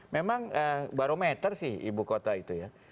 memang barometer sih ibu kota itu ya